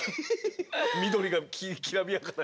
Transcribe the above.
緑がきらびやかな。